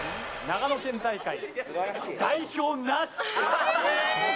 長野県大会、代表なし。